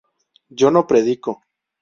yo no predico